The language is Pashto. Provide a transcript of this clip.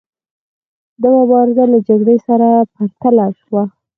دا مبارزه له جګړې سره پرتله شوه.